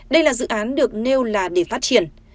đây là dự án được nêu là để phát triển